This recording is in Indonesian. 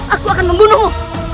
aku akan membunuhmu